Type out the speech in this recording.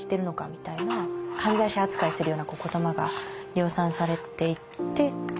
みたいな犯罪者扱いするような言葉が量産されていって。